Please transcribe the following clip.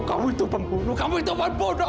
kamu itu pembunuh kamu itu pembunuh